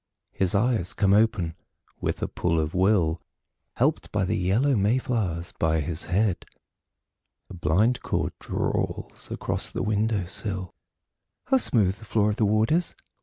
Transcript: His eyes come open with a pull of will, Helped by the yellow may flowers by his head. A blind cord drawls across the window sill ... How smooth the floor of the ward is!